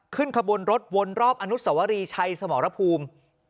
ขบวนรถวนรอบอนุสวรีชัยสมรภูมิ